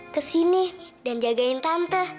kesini dan jagain tante